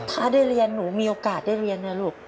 ถ้าได้เรียนหนูมีโอกาสได้เรียนนะลูก